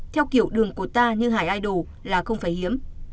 theo kiểu đường của ta như hải aid là không phải hiếm